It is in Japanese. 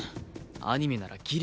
アニメならギリ